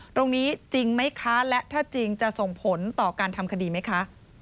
ตรงนี้จริงไหมคะและถ้าจริงจะส่งผลต่อการทำคดีไหมคะ